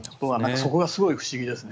そこがすごい不思議ですね。